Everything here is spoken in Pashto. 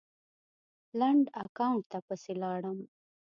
لنډ اکاونټ ته پسې لاړم